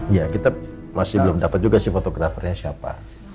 iya kita masih belum dapat juga sih fotografernya siapa